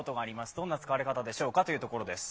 どんな使われ方でしょうかというところです。